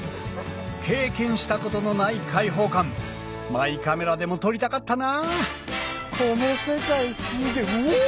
経験したことのない開放感マイカメラでも撮りたかったなこの世界すげぇ！